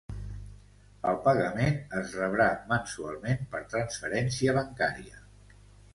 El pagament es rebrà mensualment per transferència bancària.